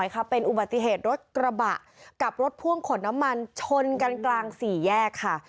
เป็นอุบัติเหตุรถกระบะกับรถพ่วงขนน้ำมันชนกันกลางสี่แยกค่ะ